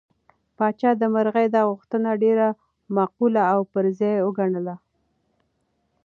پاچا د مرغۍ دا غوښتنه ډېره معقوله او پر ځای وګڼله.